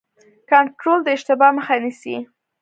کنټرول د اشتباه مخه نیسي